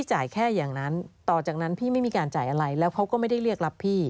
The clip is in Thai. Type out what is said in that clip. หลังจากนั้นพี่ไม่มีการจ่ายอะไรแล้วเขาก็ไม่ได้เรียกรับพี่